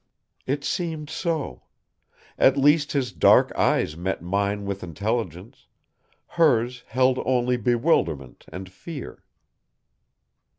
It seemed so. At least his dark eyes met mine with intelligence; hers held only bewilderment and fear.